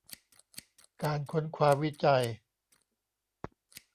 การค้นคว้าวิจัย